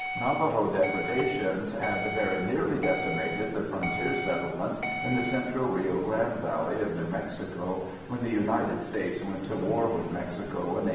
Navajo depredations had very nearly decimated the frontier settlements in the central Rio Grande Valley of New Mexico when the United States went to war with Mexico in 1846.